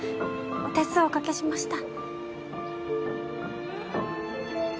お手数おかけしました。